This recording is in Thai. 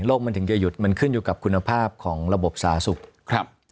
มันถึงจะหยุดมันขึ้นอยู่กับคุณภาพของระบบสาธารณสุขครับ